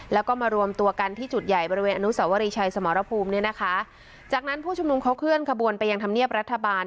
แล้วก็มารวมตัวกันที่จุดใหญ่บริเวณอนุสาวรีชัยสมรภูมิเนี่ยนะคะจากนั้นผู้ชุมนุมเขาเคลื่อนขบวนไปยังธรรมเนียบรัฐบาล